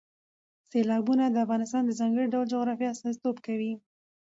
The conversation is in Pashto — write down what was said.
سیلابونه د افغانستان د ځانګړي ډول جغرافیې استازیتوب کوي.